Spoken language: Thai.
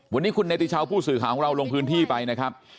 วันนี้คุณเนติชาวผู้สื่อข่าวของเราลงพื้นที่ไปนะครับ